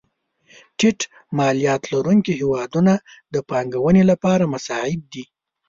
ټیټ مالیات لرونکې هېوادونه د پانګونې لپاره مساعد دي.